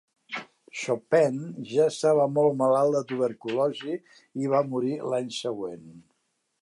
Chopin ja estava molt malalt de tuberculosi i va morir l'any següent.